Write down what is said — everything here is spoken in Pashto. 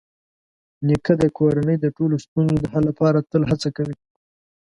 نیکه د کورنۍ د ټولو ستونزو د حل لپاره تل هڅه کوي.